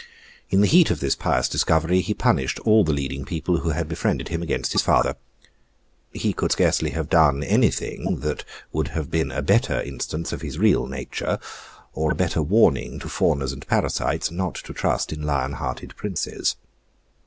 In the heat of this pious discovery, he punished all the leading people who had befriended him against his father. He could scarcely have done anything that would have been a better instance of his real nature, or a better warning to fawners and parasites not to trust in lion hearted princes.